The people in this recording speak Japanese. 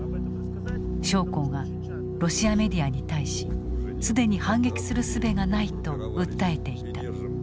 将校がロシアメディアに対し既に反撃するすべがないと訴えていた。